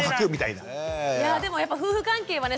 いやぁでもやっぱ夫婦関係はね